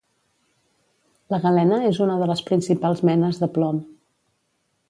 La galena és una de les principals menes de plom.